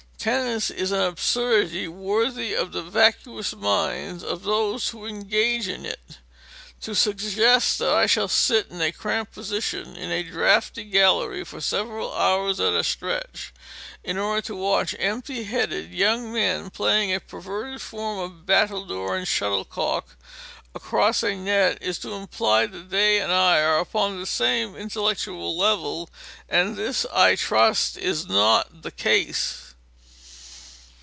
"Tennis is an absurdity worthy of the vacuous minds of those who engage in it.. To suggest that I shall sit in a cramped position in a draughty gallery for several hours at a stretch in order to watch empty headed young men playing a perverted form of battledoor and shuttlecock across a net, is to imply that they and I are upon the same intellectual level; and this, I trust, is not the case.